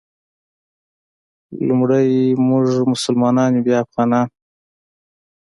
لومړی مونږ مسلمانان یو بیا افغانان.